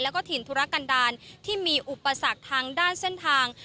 แล้วก็ถิ่นธุรกันดาลที่มีอุปสรรคทางด้านเส้นทาง